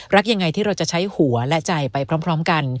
รักยังไงที่เราจะใช้หัวและใจไปพร้อมกัน